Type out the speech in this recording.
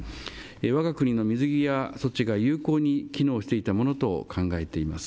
わが国の水際措置が有効に機能していたものと考えています。